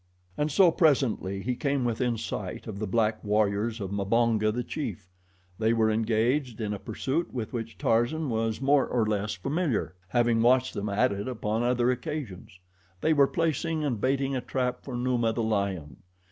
And so presently he came within sight of the black warriors of Mbonga, the chief. They were engaged in a pursuit with which Tarzan was more or less familiar, having watched them at it upon other occasions. They were placing and baiting a trap for Numa, the lion.